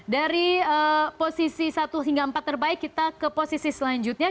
dari posisi satu hingga empat terbaik kita ke posisi selanjutnya